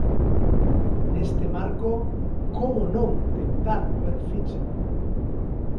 Neste marco, como non tentar mover ficha!